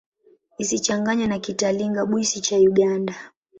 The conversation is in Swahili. Isichanganywe na Kitalinga-Bwisi cha Uganda.